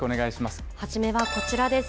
初めはこちらです。